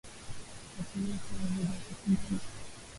Wakati huu si mzuri ata kidogo